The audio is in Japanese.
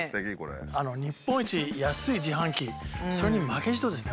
日本一安い自販機それに負けじとですね